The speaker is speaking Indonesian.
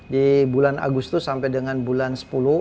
di bulan agustus sampai dengan bulan sepuluh